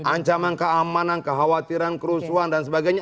ancaman keamanan kekhawatiran kerusuhan dan sebagainya